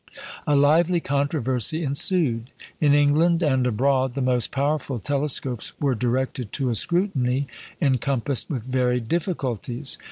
A lively controversy ensued. In England and abroad the most powerful telescopes were directed to a scrutiny encompassed with varied difficulties.